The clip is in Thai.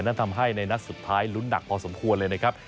นั้นทำให้ในนัดสุดท้ายลุ้นหนักพอสมควรเลยนะครับ